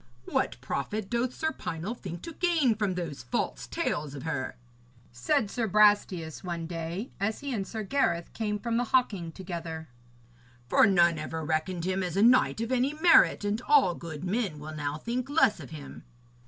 'What profit doth Sir Pinel think to gain from those false tales of her?' said Sir Brastias one day, as he and Sir Gareth came from the hawking together. 'For none ever reckoned him as a knight of any merit, and all good men will now think less of him.'